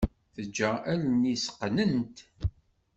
Teǧǧa allen-is qqnent.